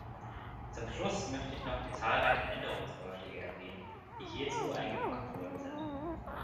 Zum Schluss möchte ich noch die zahlreichen Änderungsvorschläge erwähnen, die hierzu eingebracht worden sind.